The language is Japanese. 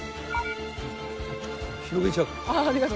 広げちゃおう。